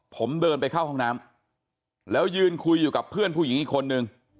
ผมเดินไปเข้าห้องน้ำแล้วยืนคุยอยู่กับเพื่อนผู้หญิงอีกคนนึง